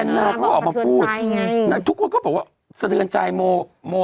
นาเขาก็ออกมาพูดทุกคนก็บอกว่าสะเทือนใจโมโม